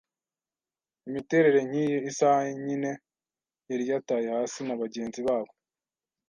imiterere nkiyi; isaha nyine yari yataye hasi nabagenzi babo